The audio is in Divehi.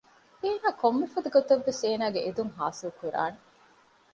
އޭނާ ކޮންމެފަދަ ގޮތަކުންވެސް އޭނާގެ އެދުން ހާސިލްކުރާނެ